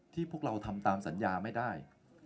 พวกเราทำตามสัญญาไม่ได้